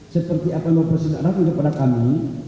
seperti akan beroperasi secara terhadap kami